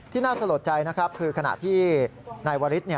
น่าสะหรับใจนะครับคือขณะที่นายวริส